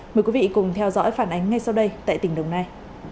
mời quý vị cùng theo dõi phản ánh ngay sau đây tại tỉnh đồng nai